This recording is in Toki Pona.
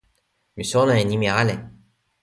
sina sona e nimi ale.